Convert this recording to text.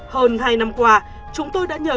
hơn hai năm qua chúng tôi đã nhờ